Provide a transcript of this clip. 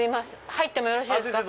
入ってもよろしいですか？